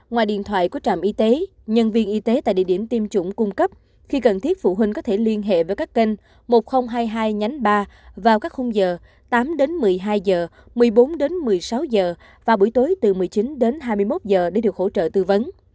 nhân viên y tế tại địa điểm tiêm chủng cung cấp khi cần thiết phụ huynh có thể liên hệ với các kênh một nghìn hai mươi hai ba vào các khung giờ tám một mươi hai h một mươi bốn một mươi sáu h và buổi tối từ một mươi chín hai mươi một h để được hỗ trợ tư vấn